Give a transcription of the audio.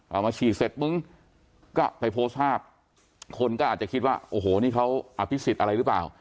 เอามาฉีดเสร็จมึงก็ไปโพสต์ภาพคนก็อาจจะคิดว่าโอ้โหนี่เขาอภิษฎอะไรหรือเปล่า